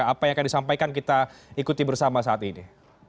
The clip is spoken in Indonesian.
apa yang akan disampaikan kita ikuti bersama saat ini